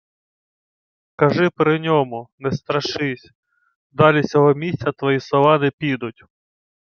— Кажи при ньому, не страшись. Далі сього місця твої слова не підуть.